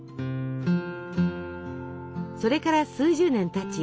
それから数十年たち